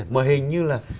mà hình như là